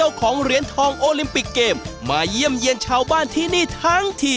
มาเยี่ยมเยี่ยมชาวบ้านที่นี่ทั้งทีมาเยี่ยมเยี่ยมชาวบ้านที่นี่ทั้งที